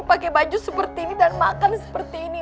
pakai baju seperti ini dan makan seperti ini